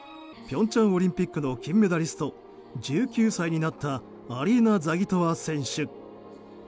平昌オリンピックの金メダリスト１９歳になったアリーナ・ザギトワ選手。